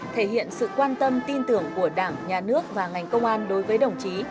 thể hiện sự quan tâm tin tưởng của đảng nhà nước và ngành công an đối với đồng chí